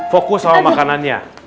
fokus sama makanannya